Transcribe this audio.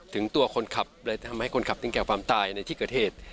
ถึงตัวคนขับเลยทำให้คนขับถึงแก่ความตายในที่เกิดเหตุ